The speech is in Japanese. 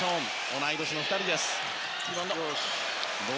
同い年の２人です。